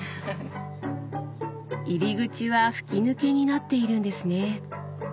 入り口は吹き抜けになっているんですね。